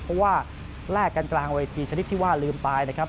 เพราะว่าแลกกันกลางเวทีชนิดที่ว่าลืมตายนะครับ